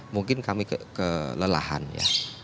mungkin kami kelelahan ya